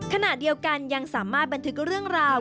ขณะเดียวกันยังสามารถบันทึกเรื่องราว